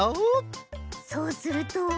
そうすると。